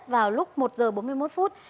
vào lúc một h bốn mươi một phút